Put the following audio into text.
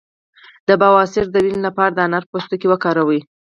د بواسیر د وینې لپاره د انار پوستکی وکاروئ